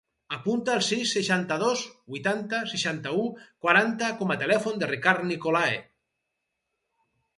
Apunta el sis, seixanta-dos, vuitanta, seixanta-u, quaranta com a telèfon del Ricard Nicolae.